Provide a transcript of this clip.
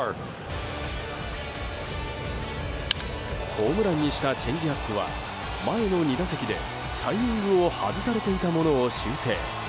ホームランにしたチェンジアップは前の２打席で、タイミングを外されていたものを修正。